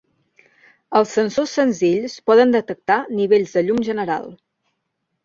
Els sensors senzills poden detectar nivells de llum general.